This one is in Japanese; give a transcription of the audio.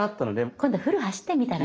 今度フル走ってみたら？